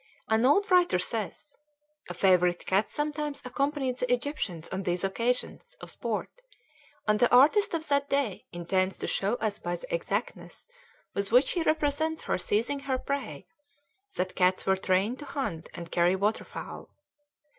An old writer says, "A favorite cat sometimes accompanied the Egyptians on these occasions [of sport], and the artist of that day intends to show us by the exactness with which he represents her seizing her prey, that cats were trained to hunt and carry water fowl."